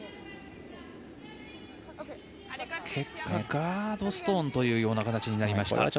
結果、ガードストーンという形になりました。